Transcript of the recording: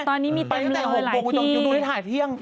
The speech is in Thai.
ตอนนี้มีเต็มเลยหลายที่ไปตั้งแต่๖โมงกูต้องคิวดูได้ถ่ายเที่ยง